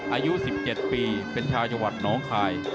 อายุ๑๗ปีเป็นชาวจังหวัดน้องคาย